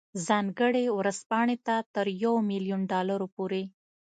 ځانګړې ورځپاڼې ته تر یو میلیون ډالرو پورې.